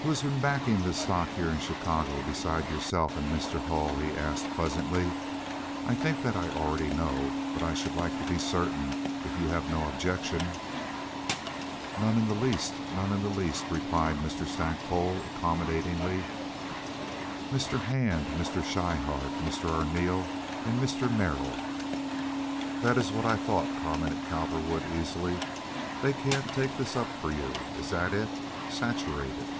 "Who has been backing this stock here in Chicago besides yourself and Mr. Hull?" he asked, pleasantly. "I think that I already know, but I should like to be certain if you have no objection." "None in the least, none in the least," replied Mr. Stackpole, accommodatingly. "Mr. Hand, Mr. Schryhart, Mr. Arneel, and Mr. Merrill." "That is what I thought," commented Cowperwood, easily. "They can't take this up for you? Is that it? Saturated?"